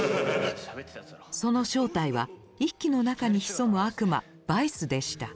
その正体は一輝の中に潜む悪魔バイスでした。